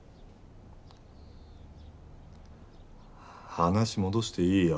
話戻していいよ。